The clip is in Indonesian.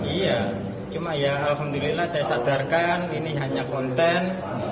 iya cuma ya alhamdulillah saya sadarkan ini hanya konten